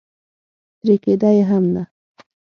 ترې کېده یې هم نه.